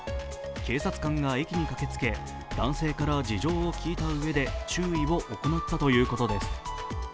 警察官が駅に駆けつけ男性から事情を聴いたうえで注意を行ったということです。